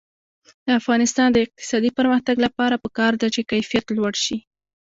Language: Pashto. د افغانستان د اقتصادي پرمختګ لپاره پکار ده چې کیفیت لوړ شي.